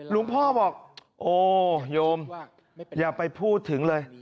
พ่อบอกโอ้โยมอย่าไปพูดถึงเลย